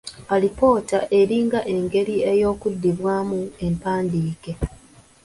Alipoota eringa engeri y'okuddibwamu empandike.